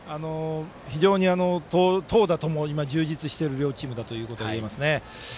非常に投打ともに充実している両チームだということがいえますね。